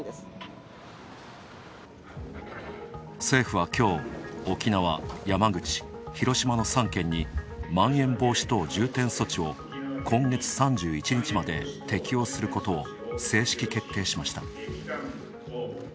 政府は、きょう、沖縄、山口、広島の３県にまん延防止等重点措置を今月３１日まで適用することを正式決定しました。